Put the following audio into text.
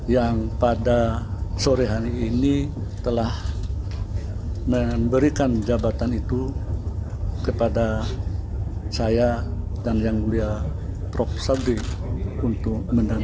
yang pada sore hari ini telah memberikan jabatan itu kepada saya dan yang mulia prof sabi untuk menerima